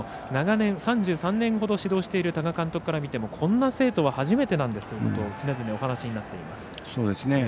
長年３３年ほど指導している多賀監督から見てもこんな生徒は初めてなんですと常々お話になっています。